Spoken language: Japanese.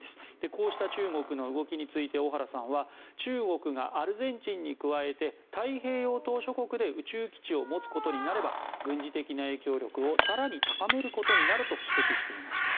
こうした中国の動きについて小原さんは中国がアルゼンチンに加えて太平洋島しょ国で宇宙基地を持つことになれば軍事的な影響力を更に高めることになると指摘していました。